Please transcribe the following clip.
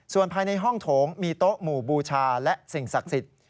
ส่วนภายในห้องโถงมีโต๊ะหมู่บูชาและสิ่งศักดิ์สิทธิ์